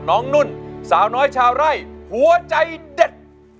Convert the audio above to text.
นุ่นสาวน้อยชาวไร่หัวใจเด็ด